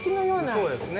そうですね。